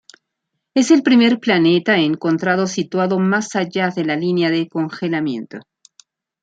Es el primer planeta encontrado situado más allá de la línea de congelamiento.